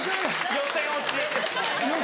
予選落ち。